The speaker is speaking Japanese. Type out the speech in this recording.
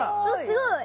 すごい！